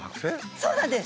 そうなんです。